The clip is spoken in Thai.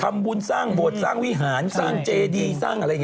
ทำบุญสร้างบวชสร้างวิหารสร้างเฦดีอะไรอย่างนี้